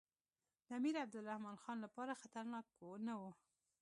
د امیر عبدالرحمن خان لپاره خطرناک نه وو.